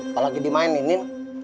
apalagi di main nin